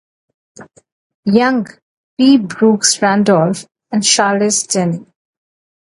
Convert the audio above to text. Young, P. Brooks Randolph, and Charles Denny.